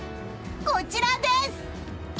こちらです！